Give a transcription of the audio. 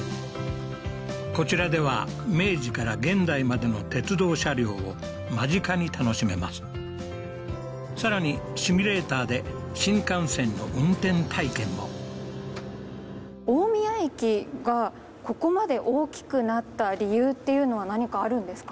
こちらでは明治から現代までの鉄道車両を間近に楽しめます更にシミュレーターで新幹線の運転体験も大宮駅がここまで大きくなった理由っていうのは何かあるんですか？